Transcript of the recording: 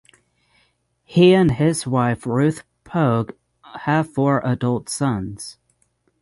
He and his wife Ruth Pogue have four adult sons.